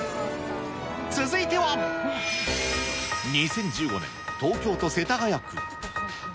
続いては、２０１５年、東京都世田谷区。